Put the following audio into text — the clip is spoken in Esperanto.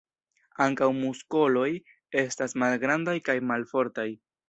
Ankaŭ muskoloj estas malgrandaj kaj malfortaj.